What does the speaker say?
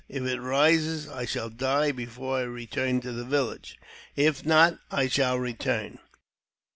If it rises, I shall die before I return to the village; if not, I shall return."